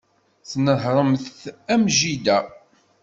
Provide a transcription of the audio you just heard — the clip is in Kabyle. Tnehhṛemt am jida.